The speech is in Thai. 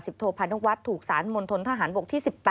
ศิปโทพรานุวัฒน์ถูกสหรัฐมนต์ภาระบกที่๑๘